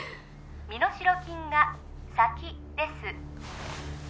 身代金が先です